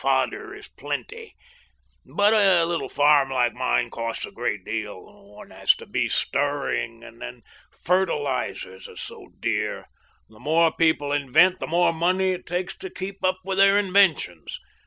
Fodder is plenty. But a httle fann like mine costs a great deal. One has to be stirring, and then fertilizers are so dear. The more people invent, the more money it takes to keep up with their inventions.